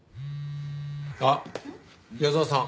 あっ矢沢さん。